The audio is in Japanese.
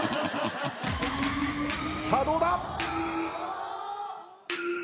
さあどうだ